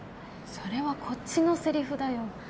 それはこっちのセリフだよ。